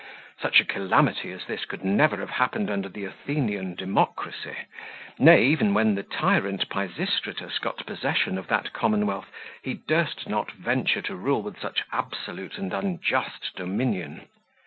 Such a calamity as this could never have happened under the Athenian democracy: nay, even when the tyrant Pisistratus got possession of that commonwealth, he durst not venture to rule with such absolute and unjust dominion.